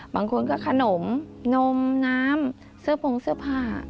บางคนก็ขนมนมน้ำเสื้อพงเสื้อผ้า